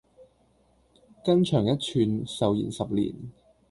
筋長一寸，壽延十年